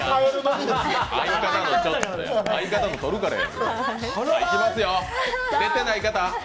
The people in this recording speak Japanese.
相方の取るからや。